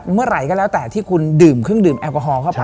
เมื่อไหร่ก็แล้วแต่ที่คุณดื่มเครื่องดื่มแอลกอฮอลเข้าไป